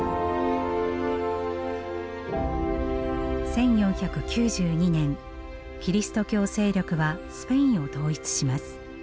１４９２年キリスト教勢力はスペインを統一します。